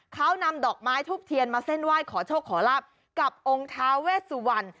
เขานำดอกไม้ทูบเทียนมาเส้นไหว้ขอโชคขอลาบกับองค์ท้าเวสวรรณ